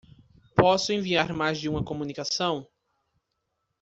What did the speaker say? Posso enviar mais de uma comunicação?